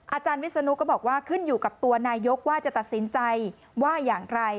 อาจารย์วิศนุก็บอกว่าขึ้นอยู่กับตัวนายกว่าจะตัดสินใจว่าอย่างไร